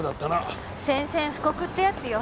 宣戦布告ってやつよ。